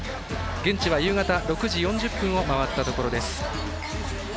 現地は夕方６時４０分を回ったところです。